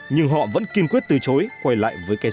nhưng họ vẫn kiên quyết từ chối quay lại với